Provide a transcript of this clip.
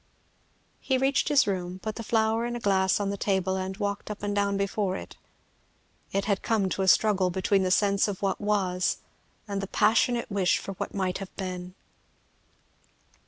He reached his room, put the flower in a glass on the table, and walked up and down before it. It had come to a struggle between the sense of what was and the passionate wish for what might have been.